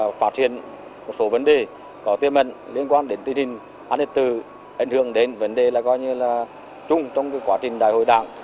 đặc biệt là phát triển một số vấn đề có tiêu mệnh liên quan đến tình hình an ninh trật tự ảnh hưởng đến vấn đề là gọi như là chung trong quá trình đại hội đảng